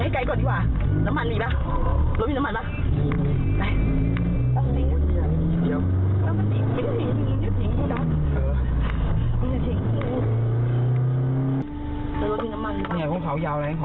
ค่ะตังค์มาอย่างเดียวไม่มีสักบาทสินค้าติดตัวไว้สิ